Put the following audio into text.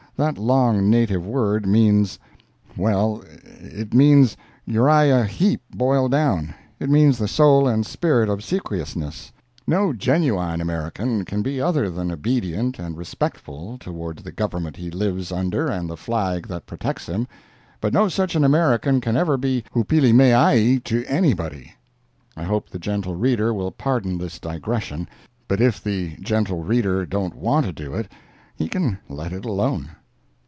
—That long native word means—well, it means Uriah Heep boiled down—it means the soul and spirit of obsequiousness. No genuine American can be other than obedient and respectful toward the Government he lives under and the flag that protects him, but no such an American can ever be hoopilimeaai to anybody.] I hope the gentle reader will pardon this digression; but if the gentle reader don't want to do it, he can let it alone.